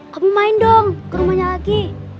kamu main dong ke rumahnya lagi